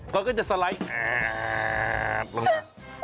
ก็ก็จะสไลด์แอ๊บลงไป